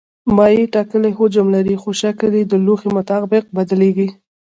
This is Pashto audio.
مایع ټاکلی حجم لري خو شکل یې د لوښي مطابق بدلېږي.